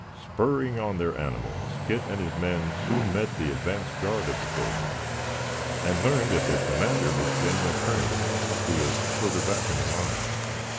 Spurring on their animals, Kit and his men soon met the advance guard of the soldiers and learned that their commander was Gen. Kearney, who was further back in the lines.